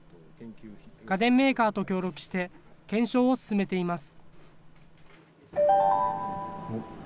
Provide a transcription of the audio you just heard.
家電メーカーと協力して、検証を進めています。